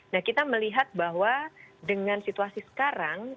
nah kita melihat bahwa dengan situasi sekarang